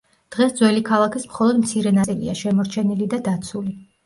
დღეს ძველი ქალაქის მხოლოდ მცირე ნაწილია შემორჩენილი და დაცული.